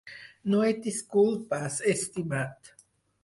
No et disculpes, estimat.